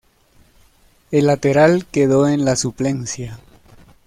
El lateral quedó en la suplencia.